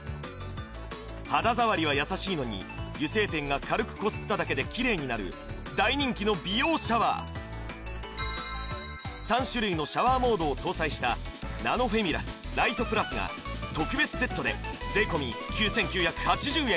肌触りは優しいのに油性ペンが軽くこすっただけでキレイになる大人気の美容シャワー３種類のシャワーモードを搭載したナノフェミラス・ライトプラスが特別セットで税込９９８０円